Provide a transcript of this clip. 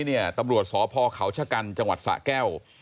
วันนี้เนี่ยตำรวจศพเขาชะกันจังหวัดสะแก้ว